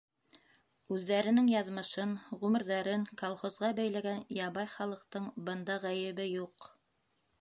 Үҙҙәренең яҙмышын, ғүмерҙәрен колхозға бәйләгән ябай халыҡтың бында ғәйебе юҡ.